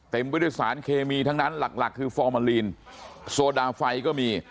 ไปด้วยสารเคมีทั้งนั้นหลักหลักคือฟอร์มาลีนโซดาไฟก็มี